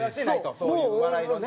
そういう笑いのね。